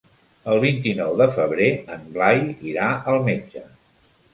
El vint-i-nou de febrer en Blai irà al metge.